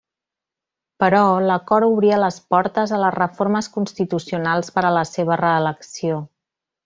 Però, l'acord obria les portes a les reformes constitucionals per a la seva re-elecció.